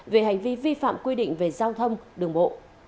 về hành vi vi phạm quy định về giao thông đường bộ